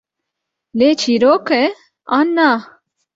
Lê çîrok e, an na?